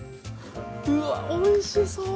うわおいしそう！